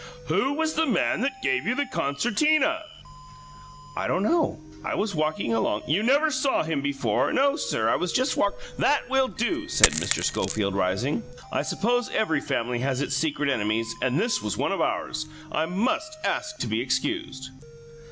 "Who was the man that gave you the concertina?" "I don't know. I was walking along " "You never saw him before?" "No, sir. I was just walk " "That will do," said Mr. Schofield, rising. "I suppose every family has its secret enemies and this was one of ours. I must ask to be excused!"